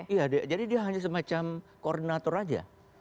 iya jadi dia hanya semacam koordinator aja